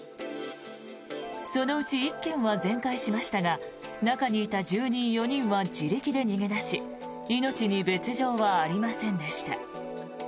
そのうち１軒は全壊しましたが中にいた住人４人は自力で逃げ出し命に別条はありませんでした。